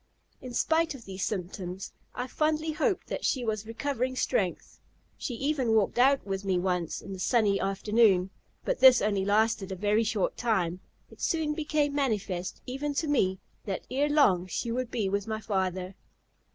In spite of these symptoms I fondly hoped that she was recovering strength. She even walked out with me twice, in the sunny afternoon. But this only lasted a very short time; it soon became manifest, even to me, that ere long she would be with my father.